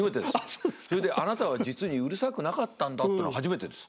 それであなたは実にうるさくなかったんだってのは初めてです。